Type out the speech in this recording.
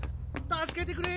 助けてくれ！